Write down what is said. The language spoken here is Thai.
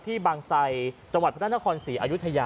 ที่บางไซยจพศศ๔อศ